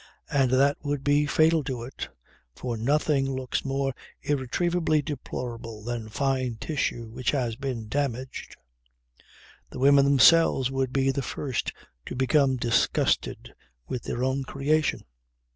And that would be fatal to it. For nothing looks more irretrievably deplorable than fine tissue which has been damaged. The women themselves would be the first to become disgusted with their own creation.